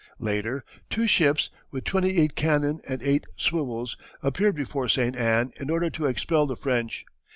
Later two ships, with twenty eight cannon and eight swivels, appeared before St. Anne in order to expel the French.